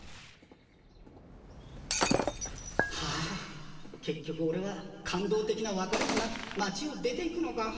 はあけっ局オレは感動てきなわかれもなく町を出ていくのか。